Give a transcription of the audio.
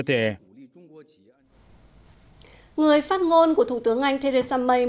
người phát ngôn của thủ tướng anh theresa may